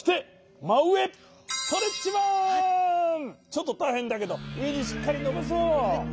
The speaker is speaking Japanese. ちょっとたいへんだけどうえにしっかりのばそう！